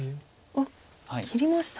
あっ切りました。